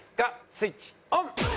スイッチオン！